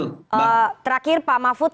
oke terakhir pak mahfud